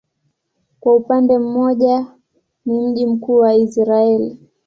Kwa upande mmoja ni mji mkuu wa Israel.